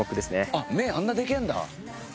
あっ目あんなでけえんだ。